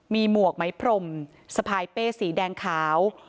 มีหมวกไหมพรมสะพายเป้สีแดงขาว